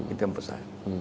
itu yang besar